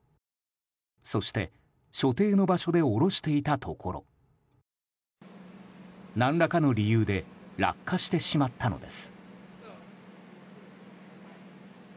そして、所定の場所で下ろしていたところ何らかの理由で落下してしまったのです。